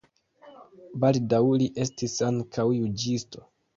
Baldaŭ li estis ankaŭ juĝisto.